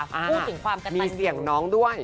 พูดถึงความกระตานสิ่งมีเสียงน้องด้วย